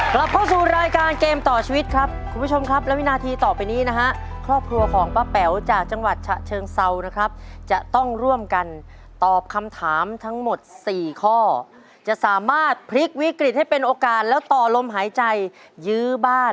กลับเข้าสู่รายการเกมต่อชีวิตครับคุณผู้ชมครับและวินาทีต่อไปนี้นะฮะครอบครัวของป้าแป๋วจากจังหวัดฉะเชิงเซานะครับจะต้องร่วมกันตอบคำถามทั้งหมด๔ข้อจะสามารถพลิกวิกฤตให้เป็นโอกาสแล้วต่อลมหายใจยื้อบ้าน